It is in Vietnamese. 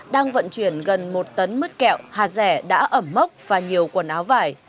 đang vận chuyển gần một tấn mứt kẹo hạt rẻ đã ẩm mốc và nhiều quần áo vải